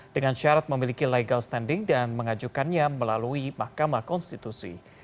dengan syarat memiliki legal standing dan mengajukannya melalui mahkamah konstitusi